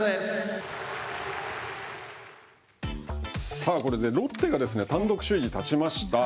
さあ、これでロッテが単独首位に立ちました。